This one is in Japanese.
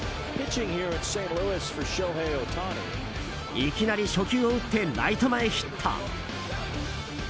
いきなり初球を打ってライト前ヒット！